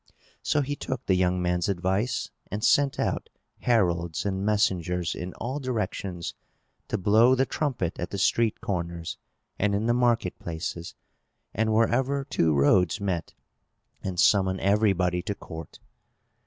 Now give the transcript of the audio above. So he took the young man's advice, and sent out heralds and messengers, in all directions, to blow the trumpet at the street corners, and in the market places, and wherever two roads met, and summon everybody to court.